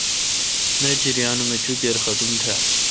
ناچریانو اں چوکیر ختم تھال۔